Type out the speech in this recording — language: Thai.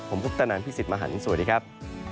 ผมพุทธนันพี่สิทธิ์มหันฯสวัสดีครับ